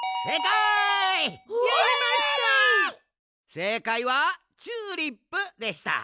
せいかいはチューリップでした。